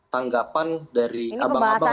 tanggapan dari abang abang